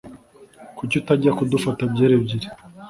Kuki utajya kudufata byeri ebyiri?